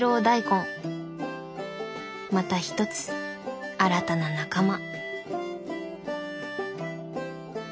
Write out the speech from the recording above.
また一つ新たな仲間。